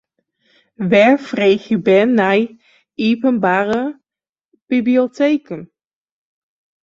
Wêr freegje bern nei yn iepenbiere biblioteken?